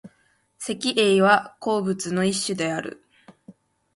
石英は鉱物の一種である。